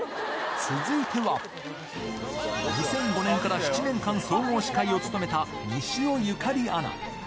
続いては、２００５年から７年間総合司会を務めた西尾由佳理アナ。